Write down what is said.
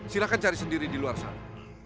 silahkan cari sendiri di luar sana